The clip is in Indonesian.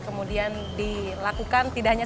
kemudian dilakukan tidak hanya